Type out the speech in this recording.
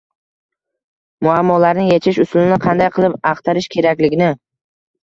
muammolarni yechish usulini qanday qilib axtarish kerakligini